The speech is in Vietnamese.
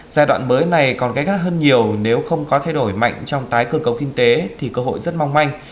giai đoạn mới này còn gây gắt hơn nhiều nếu không có thay đổi mạnh trong tái cơ cấu kinh tế thì cơ hội rất mong manh